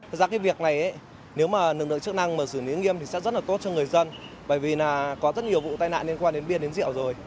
thực ra cái việc này nếu mà lực lượng chức năng mà xử lý nghiêm thì sẽ rất là tốt cho người dân bởi vì là có rất nhiều vụ tai nạn liên quan đến bia đến rượu rồi